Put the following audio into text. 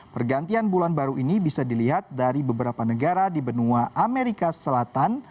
pergantian bulan baru ini bisa dilihat dari beberapa negara di benua amerika selatan